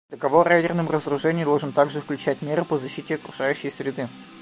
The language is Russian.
Договор о ядерном разоружении должен также включать меры по защите окружающей среды.